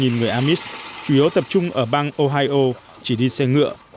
ba trăm linh người amish chủ yếu tập trung ở bang ohio chỉ đi xe ngựa